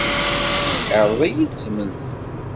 Amɛellem-iw iɛreḍ-iyi-d s imensi.